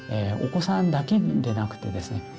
お子さんだけでなくてですね